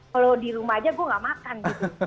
kalau di rumah aja gue gak makan gitu